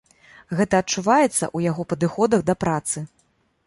Гэта адчуваецца ў яго падыходах да працы.